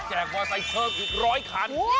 ก็แจกมาใส่เชิงอีกร้อยคัน